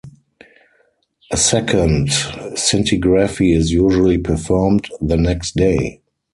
A second scintigraphy is usually performed the next day.